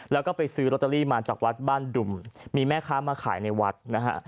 แล้วก็ไปซื้อลอตเตอรี่มาจากวัดบ้านดุมมีแม่ค้ามาขายในวัดนะฮะ